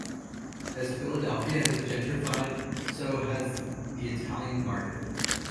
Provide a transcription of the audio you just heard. As Philadelphia has gentrified so has the Italian Market.